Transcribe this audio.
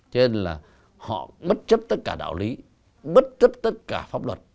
cho nên là họ bất chấp tất cả đạo lý bất chấp tất cả pháp luật